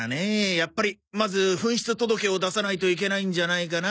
やっぱりまず紛失届を出さないといけないんじゃないかな？